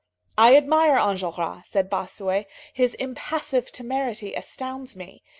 "I admire Enjolras," said Bossuet. "His impassive temerity astounds me.